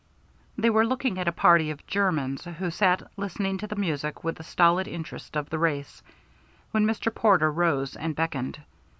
They were looking at a party of Germans, who sat listening to the music with the stolid interest of the race, when Mr. Porter rose and beckoned.